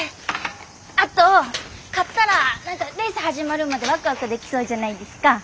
あと買ったら何かレース始まるまでワクワクできそうじゃないですか。